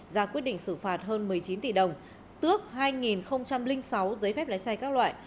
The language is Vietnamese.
ra quyết định xử phạt hơn một mươi chín tỷ đồng tước hai sáu giấy phép lái xe các loại